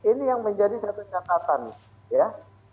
ini yang menjadi satu catatan ya